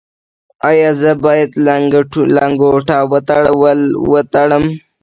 ایا زه باید لنګوټه ول تړم؟